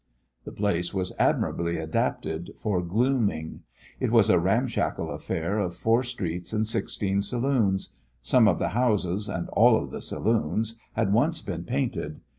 The place was admirably adapted for glooming. It was a ramshackle affair of four streets and sixteen saloons. Some of the houses, and all of the saloons, had once been painted.